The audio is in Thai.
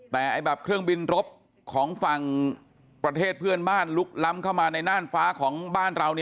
แต่แบบเครื่องบินรบของฝั่งประเทศเพื่อนบ้านลุกล้ำเข้ามาในน่านฟ้าของบ้านเรา